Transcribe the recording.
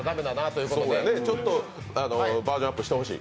そうですね、ちょっとバージョンアップしてほしい。